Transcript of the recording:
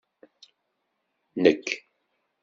Nek!